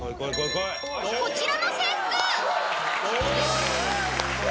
［こちらの制服］